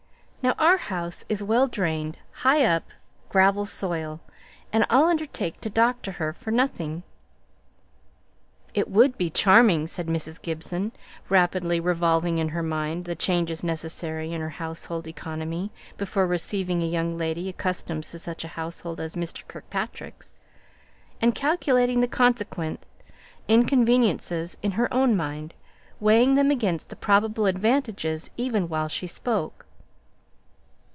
Now our house is well drained, high up, gravel soil, and I'll undertake to doctor her for nothing." "It would be charming," said Mrs. Gibson, rapidly revolving in her mind the changes necessary in her household economy before receiving a young lady accustomed to such a household as Mr. Kirkpatrick's, calculating the consequent inconveniences, and weighing them against the probable advantages, even while she spoke.